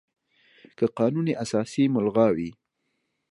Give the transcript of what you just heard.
که قانون اساسي ملغا وي،